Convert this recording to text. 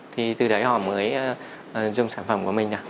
thì từ đấy họ mới dùng sản phẩm của mình